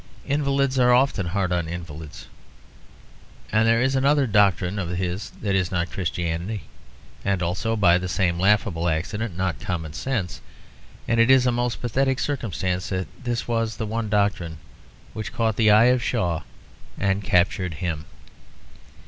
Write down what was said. Invalids are often hard on invalids. And there is another doctrine of his that is not Christianity, and also (by the same laughable accident) not common sense; and it is a most pathetic circumstance that this was the one doctrine which caught the eye of Shaw and captured him.